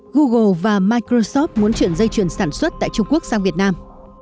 google và microsoft muốn chuyển dây chuyển sản xuất tại trung quốc sang việt nam